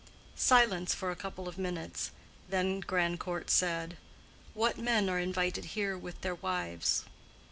Silence for a couple of minutes. Then Grandcourt said, "What men are invited here with their wives?"